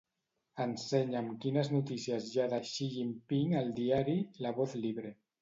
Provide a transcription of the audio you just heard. Ensenya'm quines notícies hi ha de Xi Jinping al diari "La Voz Libre".